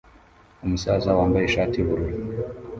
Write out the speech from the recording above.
Umusaza wambaye ishati yubururu